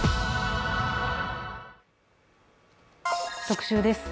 特集です。